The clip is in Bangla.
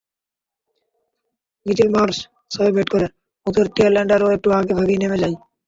মিচেল মার্শ ছয়ে ব্যাট করে, ওদের টেল এন্ডাররাও একটু আগেভাগেই নেমে যায়।